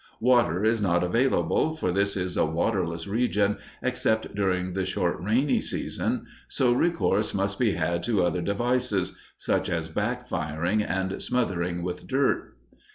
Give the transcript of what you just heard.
Water is not available, for this is a waterless region except during the short rainy season, so recourse must be had to other devices, such as back firing and smothering with dirt.